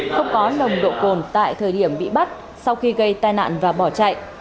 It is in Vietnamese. không có nồng độ cồn tại thời điểm bị bắt sau khi gây tai nạn và bỏ chạy